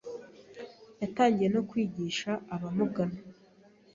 yatangiye no kwigisha abamugana